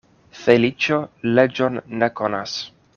Feliĉo leĝon ne konas.